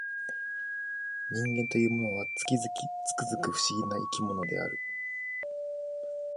人間というものは、つくづく不思議な生き物である